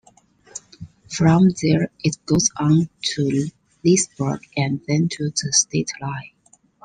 From there it goes on to Leesburg and then to the state line.